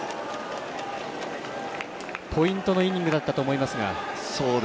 ポイントのイニングだったと思いますが。